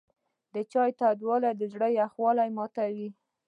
د چای تودوالی د زړه یخوالی ماتوي.